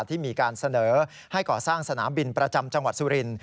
ที่มีการเสนอให้ก่อสร้างสนามบินประจำจังหวัดสุรินท